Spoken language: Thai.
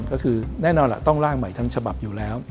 ก็คือแน่นอนล่ะต้องล่างใหม่ทั้งฉบับอยู่แล้ว